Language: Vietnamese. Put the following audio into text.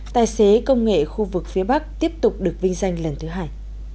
tài xế công nghệ khu vực phía bắc tiếp tục được vinh danh lần thứ hai